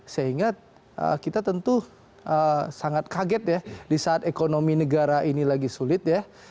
sehingga kita tentu sangat kaget ya di saat ekonomi negara ini lagi sulit ya